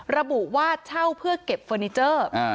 ระบุว่าเช่าเพื่อเก็บเฟอร์นิเจอร์